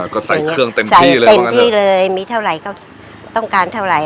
ก็ใส่เครื่องเต็มที่เลยเต็มที่เลยมีเท่าไหร่ก็ต้องการเท่าไหร่